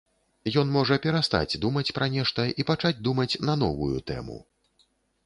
Ён можа перастаць думаць пра нешта і пачаць думаць на новую тэму.